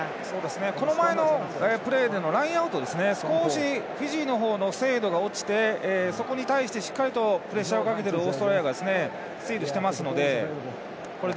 この前のプレーでのラインアウトが少し、フィジーの方の精度が落ちてそこに対して、しっかりとプレッシャーをかけてオーストラリアがスチールしてますので。